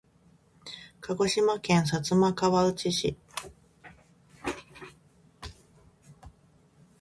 鹿児島県薩摩川内市